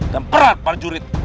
dan perhat prajurit